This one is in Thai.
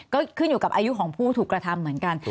ก็ขึ้นอยู่กับอายุของผู้ถูกกระทำเหมือนกัน